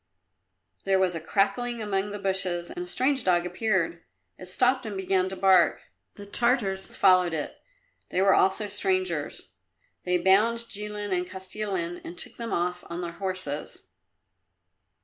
There was a crackling among the bushes and a strange dog appeared. It stopped and began to bark. The Tartars followed it. They were also strangers. They bound Jilin and Kostilin and took them off on their horses.